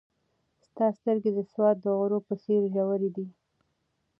ستا سترګې د سوات د غرو په څېر ژورې دي.